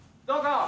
どうぞ。